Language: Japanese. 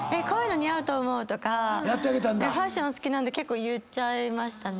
ファッション好きなんで結構言っちゃいましたね。